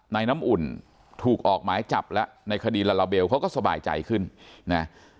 น้ำอุ่นถูกออกหมายจับแล้วในคดีลาลาเบลเขาก็สบายใจขึ้นนะ